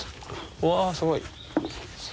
うわすごい。